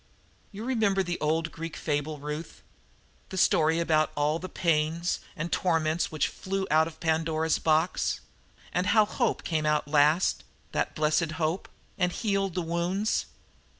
"You remember the old Greek fable, Ruth? The story about all the pains and torments which flew out of Pandora's box, and how Hope came out last that blessed Hope and healed the wounds?